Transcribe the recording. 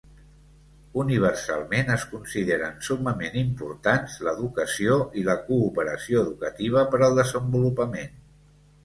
Universalment, es consideren summament importants l'educació i la cooperació educativa per al desenvolupament